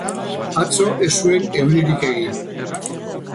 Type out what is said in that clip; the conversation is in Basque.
Atzo ez zuen euririk egin.